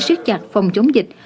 siết chặt phòng chống dịch